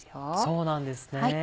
そうなんですね。